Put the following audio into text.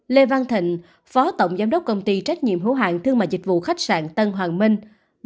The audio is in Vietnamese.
năm lê văn thịnh phó tổng giám đốc công ty trách nhiệm hữu hạng thương mại dịch vụ khách sạn tân hoàng minh